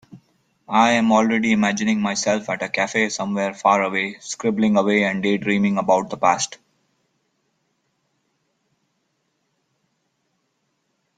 I am already imagining myself at a cafe somewhere far away, scribbling away and daydreaming about the past.